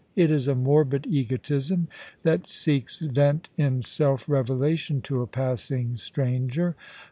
* It is a morbid egotism that seeks vent in self revelation to a passing stranger.